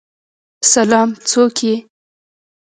سلام، څوک یی؟